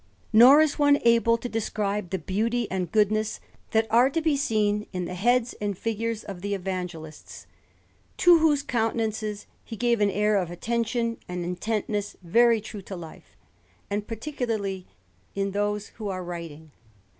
Nor is one able to describe the beauty and goodness that are to be seen in the heads and figures of the Evangelists, to whose countenances he gave an air of attention and intentness very true to life, and particularly in those who are writing.